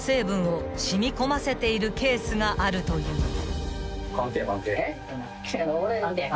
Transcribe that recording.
染み込ませているケースがあるという］